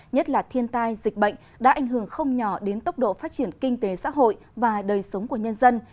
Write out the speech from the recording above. nhất là thiên tai dịch bệnh đã ảnh hưởng không nhỏ đến tốc độ phát triển kinh tế xã hội và đời sống của nhân dân